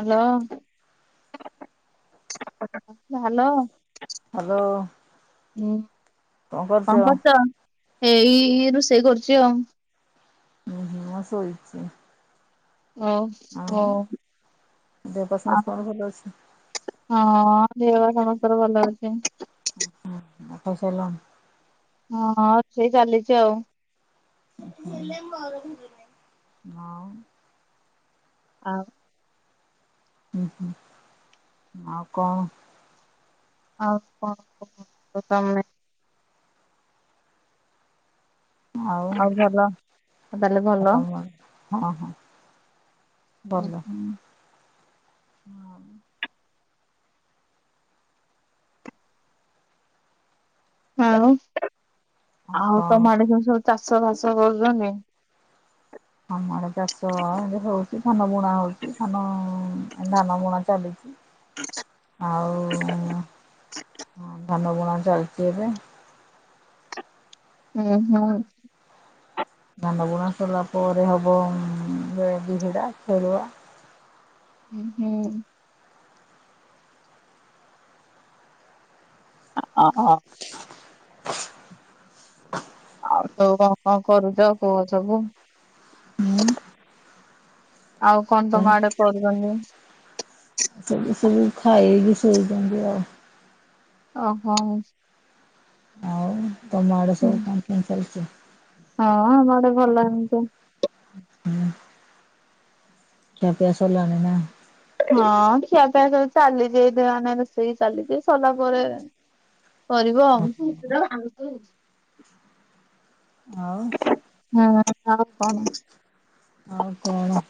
Hello, hello. Hello. ହୁଁ କଣ କରୁଚ? ଏଇ ରୁଷେଇ କରୁଛି ଆଉ। ହୁଁ ହୁଁ ମୁଁ ସୋଇଚି। [unintelligible] ଆଉ ଦେହ ପା ଆଉ ସମସ୍ତଙ୍କର ଭଲ ଅଛି? ହଁ ଦେହ ପା ସମସ୍ତଙ୍କର ଭଲ ଅଛି। [unintelligible] ହଁ-ହଁ ସେଇ ଚାଲିଛି ଆଉ। [inaudible] ଆଉ ହୁଁ ହୁଁ ଆଉ କଣ? ଆଉ କଣ [unintelligible] ତମେ। ଆଉ ତାହେଲେ ଆଉ ଭଲ। ତମ ଆଡ଼େ ହଁ ହଁ। ହଁ ଭଲ। ହୁଁ। ଆଉ? ଆଉ ତମ ଆଡ଼େ କେମିତି ସବୁ ଚାଷ ବାସ କରୁଛନ୍ତି? ଆମ ଆଡ଼େ ଚାଷ ହଉଛି, ଧାନ ବୁଣା ହଉଛି, ଧାନ ଧାନ ବୁଣା ଚାଲିଛି। ଆଉ ଧାନ ବୁଣା ଚାଲିଛି ଏବେ। ହୁଁ ହୁଁ। ଧାନ ବୁଣା ସଇଲା ପରେ ହବ। [unintelligible] ହଁ ହୁଁ। [unintelligible] ଆଉ [unintelligible] କଣ କରୁଛ କୁହ ସବୁ। ହୁଁ ଆଉ କଣ ତମ ଆଡ଼େ ପରିବା ହୁଏ? ଏଠି ସବୁ ଖାଇକି ଶୋଇଛନ୍ତି ଆଉ। ଓହୋଃ। ଆଉ ତମ ଆଡ଼େ ସବୁ କଣ କେମିତି ଚାଲିଚି? ହଁ ଆମ ଆଡ଼େ ଭଲ ଏମିତି। ହୁଁ। ଖିଆ ପିଆ ସରିଲାଣି ନା? ହଁ ଖିଆପିଆ ସବୁ ଚାଲିଛି, ଏଇତ ରୋଷେଇ ଚାଲିଛି ସରିଲା ପରେ କରିବ ଆଉ। ଆଉ ହଁ ଆଉ କଣ ଅଛି। ଆଉ କଣ।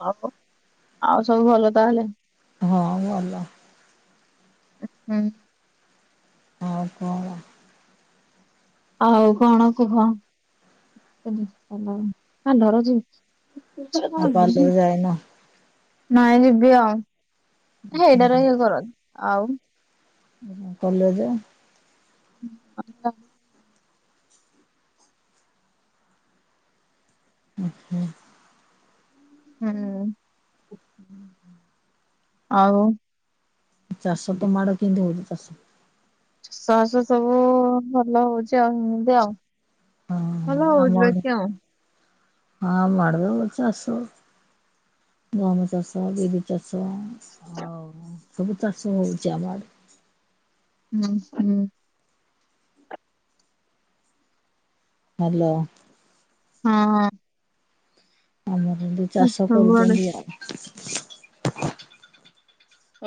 [unintelligible] ଆଉ ସବୁ ଭଲ ତାହେଲେ? ହଁ ଭଲ। ଉଁ- ହୁଁ। ଆଉ କଣ? ଆଉ କଣ କୁହ? [unintelligible] ଆଉ ପାର୍ଲର [unintelligible] ଯାଇନ ନାଇଁ ଯିବି ଆଉ, ସେଇଟାରେ ଇଏ କର ଆଉ ହୁଁ କଲେଜ। ହ [inaudible] ହୁଁ -ହୁଁ। ହୁଁ। ହୁଁ -ହୁଁ। ଆଉ। ଚାଷ ତମ ଆଡ଼େ କେମିତି ହଉଚି, ଚାଷ? ଚାଷ ବାସ ସବୁ ଭଲ ହଉଚି ଆଉ, ଏମିତି ଆଉ। ହଁ ଆମ ଆଡେ [unintelligible] ହଁ ଆମ ଆଡ଼େ ବି ହଉଚି ଚାଷ। ଗହମ ଚାଷ, ବିରି ଚାଷ ଆଉ ସବୁ ଚାଷ ହଉଛି ଆମ ଆଡ଼େ। ହୁଁ -ହୁଁ। ହ୍ୟାଲୋ। ହଁ। ଆମର ଏମିତି ଚାଷ ସବୁଆଡେ କରୁଛନ୍ତି ଆଉ।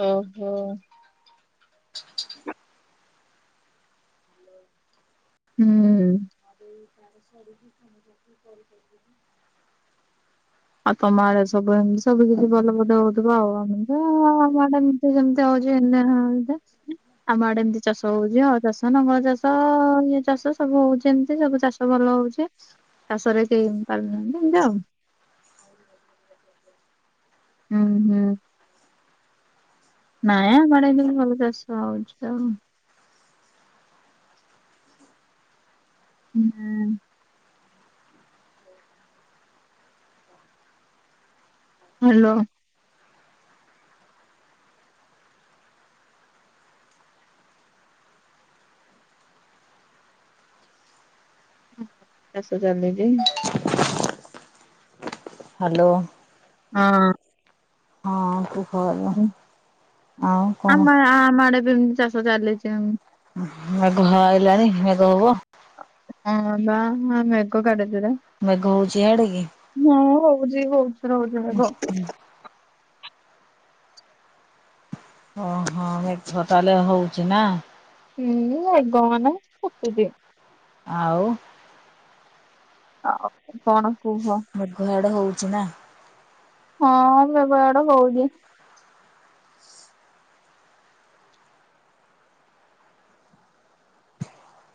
ଓ ହୋ। [inaudible] ହୁଁ। ଏଇ ଗାଈ ଛାଡିକି [unintelligible] ଆଉ ତମ ଆଡେ ସବୁ ଏମିତି ସବୁ, କିଛି ଭଲ ବୋଧେ ହଉଥିବ ଆଉ ଆମେ ହୁଁ ଆମ ଆଡେ ଏମତି ଯେମିତି ହଉଛି, ଏନ [unintelligible] ଆମ ଆଡେ ଏମିତି ଚାଷ ହଉଛି, ହଳ ଚାଷ, ନଙ୍ଗଳ ଚାଷ, ଇଏ ଚାଷ ସବୁ ହଉଛି ଏମିତି ସବୁ ଚାଷ। ଶଗଡ଼ ରେ ହଉଚି, ଚାଷରେ କେହି ପାରୁନାହାନ୍ତି ଏମିତି ଆଉ। ହୁଁ- ହୁଁ। ନାଇଁ ଆମ ଆଡେ ଏମିତି ଭଲ ଚାଷ ହଉଛି ଆଉ। ହୁଁ। ହ୍ୟାଲୋ। ଚାଷ ଚାଲିଚି? ହ୍ୟାଲୋ। ହଁ। ହଁ କୁହ ଏବେ ଆଉ ଆମ କଣ? ଆମ ଆଡେ ଏମିତି ଚାଷ ଚାଲିଛି ଆଉ। ମେଘ ଆଇଲାଣି ମେଘ ହବ। ହଁ ବା ହଁ ମେଘ କେଡେ ଯୋରେ। ମେଘ ହଉଚି ଇଆଡେ କି? ହୁଁ ହଉଛି ବହୁତ ଜୋରେ ହଉଛି ମେଘ। ହଁ - ହଁ ମେଘ ତାହାଲେ ହଉଛି ନା? ହୁଁ ମେଘ ମାନେ କୁଟୁଚି। ଆଉ ଆଉ କଣ କୁହ? ଇଆଡେ ହଉଛି ନା? ହଁ ମେଘ ଆଡେ ହଉଚି।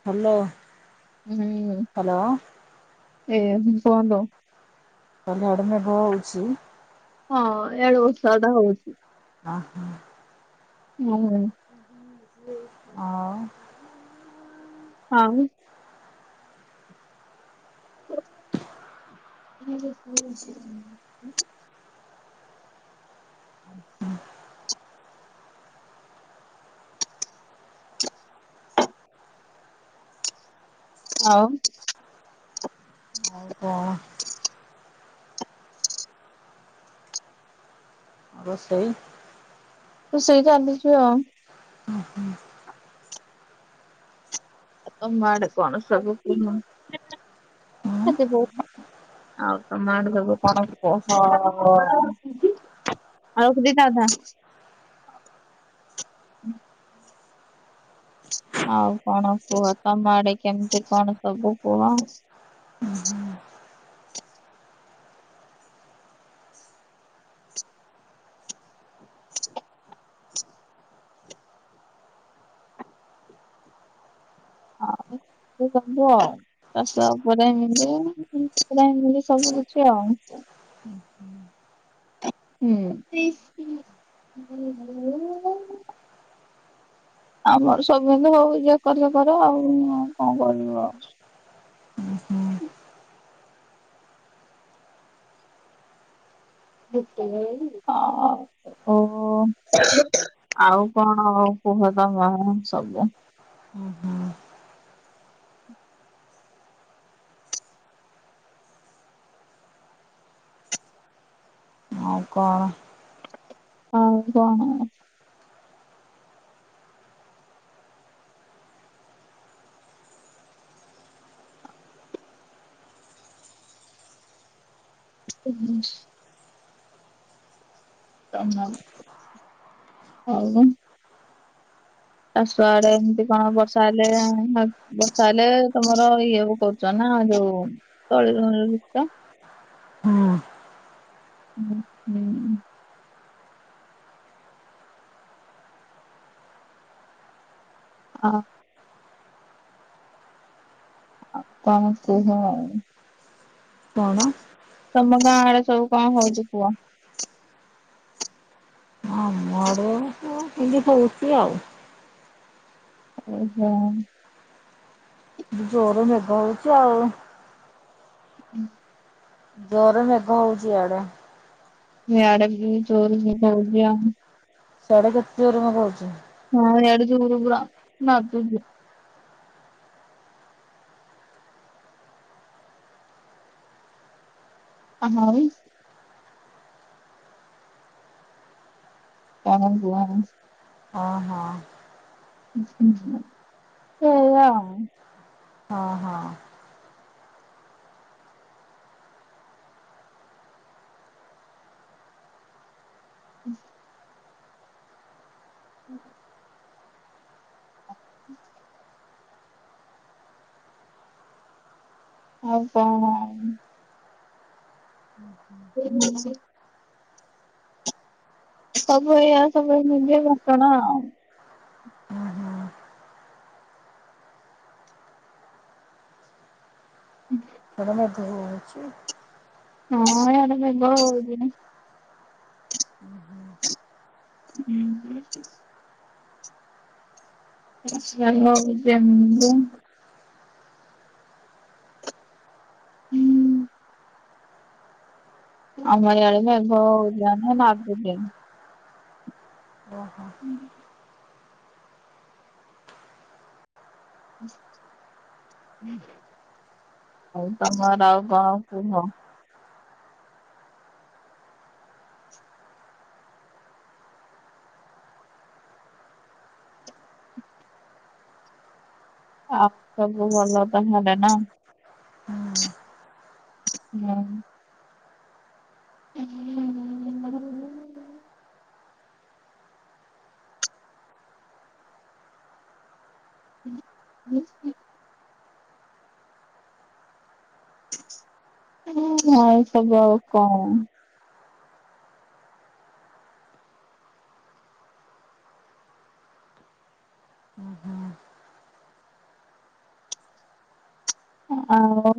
ହ୍ୟାଲୋ। ହୁଁ ହ୍ୟାଲୋ ଏ କୁହନ୍ତୁ। ତମ ଆଡେ ମେଘ ହଉଚି? ହଁ ଇଆଡେ ବର୍ଷାଟା ହଉଛି। ଅ ହଁ। ଉଁ ହୁଁ। ଆଉ ଆଉ [inaudible] [inaudible] ଆଉ। ଆଉ କଁ। ରୋଷେଇ। ରୋଷେଇ ଚାଲିଚି ଆଉ। ହୁଁ ହୁଁ। ଆ ତମ ଆଡେ କଣ ସବୁ କୁହ। ଉଁ [unintelligible] ଆଉ ତମ ଆଡେ ସବୁ କଣ କୁହ। [unintelligible] ଆଉ କଣ କୁହ ତମ ଆଡେ କେମିତି କଣ ସବୁ କୁହ। [unintelligible] ଆଉ। ଚାଷ ଉପରେ [unintelligible] ସବୁ କିଛି ଆଉ। ଉଁ ହୁଁ। ଉଁ [unintelligible] ଆମର ସବୁ ଭଲ ଯାହା କରୁଚ କର ଆଉ କଣ କହିବି ଆଉ। ଉଁ ହୁଁ [unintelligible] ଓହୋ। ଆଉ କଣ କୁହ ତମେ ସବୁ। ହୁଁ ହୁଁ। ଆଉ କଣ? ଆଉ କଣ? [unintelligible] ତମାମ୍ ଆଉ ଚାଷ ଆଡ଼େ ଏମିତି କଣ ବର୍ଷା ହେଲେ ବର୍ଷା ହେଲେ ତମର ଇଏ ପକଉଚନା ଯୋଉ ତଳି ରୁ ଗୁତ। ହଁ। ହୁଁ ହୁଁ। ଅ ଆଉ କଣ କୁହ? କଣ ତମ ଗାଁ ଆଡ଼େ ସବୁ କଣ ହୋଉଛି କୁହ? ହଁ ଆମ ଆଡେ [unintelligible] ହୋଉଛି ଆଉ। ଓ ହୋ ଜୋରେ ମେଘ ହୋଉଚି ଆଉ। ହୁଁ। ଜୋରେ ମେଘ ହୋଉଚି ୟାଡେ। ୟାଡେ ବି ଜୋରେ ମେଘ ହୋଉଚି ଆଉ। ସ୍ୟାଡେ କେତ୍ ଜୋରେ ମେଘ ହୋଉଚି? ହଁ ୟାଡେ ଜୋରେ ପୁରା ନାଦୁଚି। ହା ଉ। [unintelligible] ହଁ ହଁ। ସେଇଆ ଆଉ। ହଁ ହଁ। [inaudible] ହୁଁ। [inaudible] ଆଉ କଅଣ ହୁଁ। [inaudible] [unintelligible] ସବୁ ଏଇଆ ସବୁ ନିଜେ ଘଟଣା। ହୁଁ ହୁଁ [inaudible] ଥନନା ପୁଅ ହୋଉଚି। ହଁ ଆଡ଼େ ବୁଦ ହୋଉଛିନି। ଉଁ ହୁଁ। ହୁଁ। [unintelligible] ହୁଁ। ଆମର ରଜ ଜାଣିନୁନା ଆଦି ଟାଇମ୍। [inaudible] ଆଉ ତମର ଆଉ କଣ କୁହ? ଆଉ ସବୁ ଭଲ ତ ତାହେଲେ ନା। ହୁଁ ମୁଁ [inaudible] ହଁ ଆଉ ସବୁ ଆଉ କଣ? ହୁଁ ହୁଁ। ଆମ୍ବ।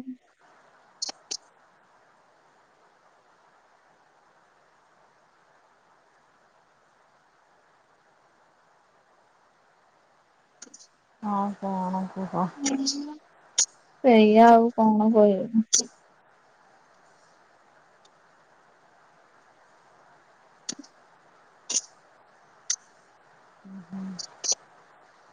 [inaudible] ହଁ କଣ କୁହ? [inaudible] ସେଇଆ ଆଉ କଣ କହିବୁ? [inaudible]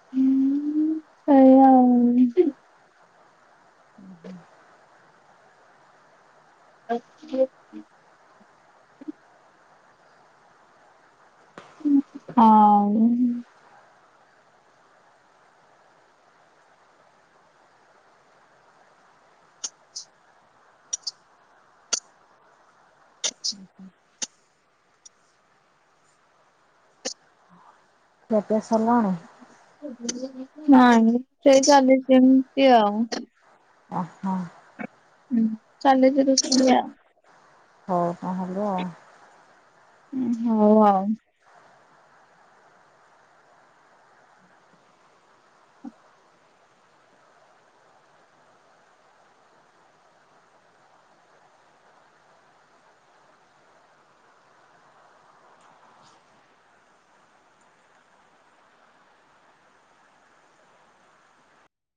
ହୁଁ ହୁଁ ସେଇଆଉ। [inaudible] ଆଠ [inaudible] ହଁ [inaudible] [inaudible] ଖିଆପିଆ ସାରିଲାଣି? ନାଇଁ ସେଇ ଚାଲିଛି ସେମିତି ଆଉ। ଓହୋ। ହୁଁ ଚାଲିଛି ଦ ସେଇୟା। ହୋଉ ତାହେଲେ ଆଉ। ହୋଉ ଆଉ।